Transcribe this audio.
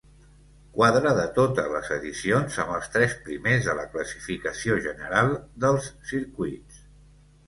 Quadre de totes les edicions amb els tres primers de la classificació general dels circuits.